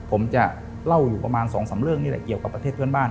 ผมจะเล่าอยู่ประมาณ๒๓เรื่องนี่แหละเกี่ยวกับประเทศเพื่อนบ้าน